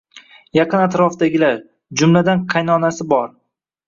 Yaqin atrofidagilar, jumladan qaynonasi bor.